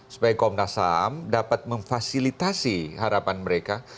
supaya komnas ham dapat memfasilitasi harapan mereka